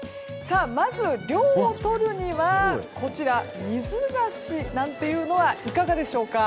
まず涼をとるにはこちら水菓子なんていうのはいかがでしょうか。